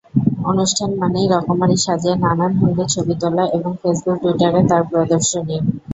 অনুষ্ঠান মানেই রকমারি সাজে নানান ভঙ্গির ছবি তোলা এবং ফেসবুক-টুইটারে তার প্রদর্শনী।